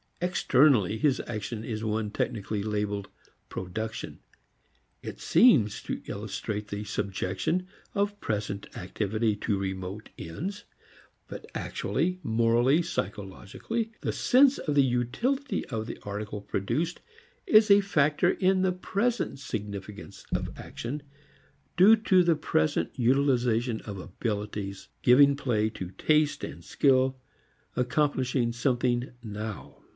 Externally his action is one technically labeled "production." It seems to illustrate the subjection of present activity to remote ends. But actually, morally, psychologically, the sense of the utility of the article produced is a factor in the present significance of action due to the present utilization of abilities, giving play to taste and skill, accomplishing something now.